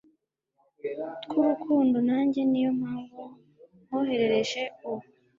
twurukundo najye niyo mpamvu nkoherereje ubu